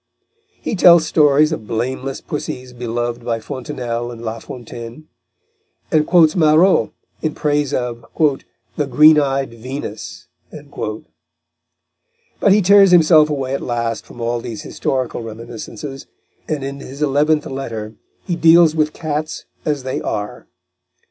He tells stories of blameless pussies beloved by Fontanelle and La Fontaine, and quotes Marot in praise of "the green eyed Venus." But he tears himself away at last from all these historical reminiscences, and in his eleventh letter he deals with cats as they are.